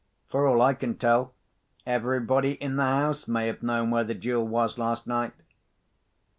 For all I can tell, everybody in the house may have known where the jewel was, last night."